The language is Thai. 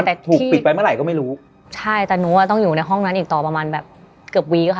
มันถูกปิดไปเมื่อไหร่ก็ไม่รู้ใช่แต่หนูว่าต้องอยู่ในห้องนั้นอีกต่อเกือปวีค่ะ